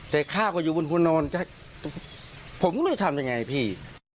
แต่ข้าวก็อยู่บนหัวนอนผมก็ไม่รู้จะทำยังไงพี่